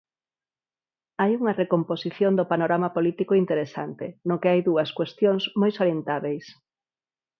Hai unha recomposición do panorama político interesante, no que hai dúas cuestións moi salientábeis.